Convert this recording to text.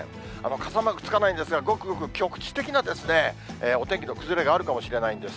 傘マークつかないんですが、ごくごく局地的なお天気の崩れがあるかもしれないんです。